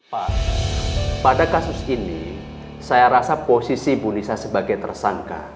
pak pada kasus ini saya rasa posisi ibu lisa sebagai tersangka